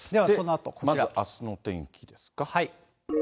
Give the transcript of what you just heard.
まずあすの天気ですか。